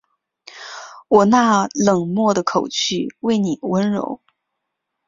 我那冷漠的口气为妳温柔